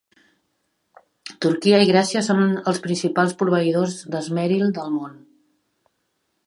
Turquia i Grècia són els principals proveïdors d'esmeril del món.